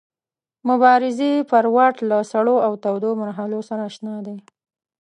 مبارزې پر واټ له سړو او تودو مرحلو سره اشنا دی.